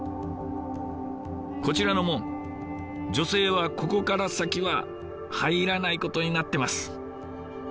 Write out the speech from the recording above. こちらの門女性はここから先は入らないことになってます。